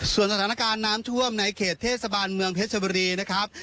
สถานการณ์น้ำท่วมในเขตเทศบาลเมืองเพชรบุรีนะครับ